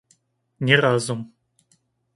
Не разум.